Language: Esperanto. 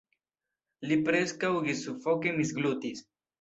Li preskaŭ ĝissufoke misglutis.